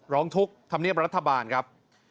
ร้องทุกข์ธรรมเนียบรัฐบาลครับ